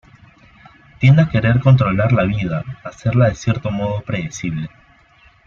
Tiende a querer controlar la vida, a hacerla de cierto modo predecible.